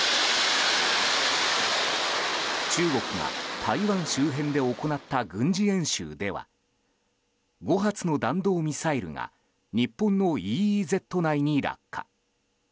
中国が台湾周辺で行った軍事演習では５発の弾道ミサイルが日本のＥＥＺ内に落下。